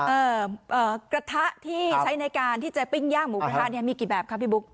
เอ่อกระทะที่ใช้ในการที่จะปิ้งย่างหมูกระทะเนี่ยมีกี่แบบคะพี่บุ๊ค